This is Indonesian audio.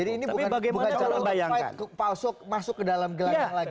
jadi ini bukan cara untuk masuk ke dalam gelangnya lagi